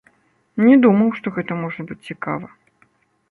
Не думаў, што гэта можа быць цікава.